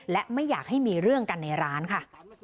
และไม่อยากให้มีเรื่องกันในร้านค่ะ